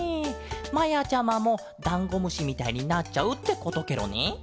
まやちゃまもだんごむしみたいになっちゃうってことケロね。